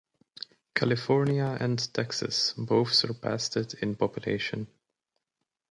California and Texas both surpassed it in population.